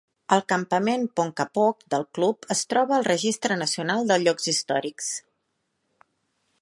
El campament Ponkapoag del Club es troba al registre nacional de llocs històrics.